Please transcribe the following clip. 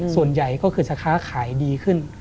ส่วนใหญ่ก็คือจะค้าขายดีขึ้น